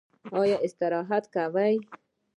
ایا استراحت کوئ؟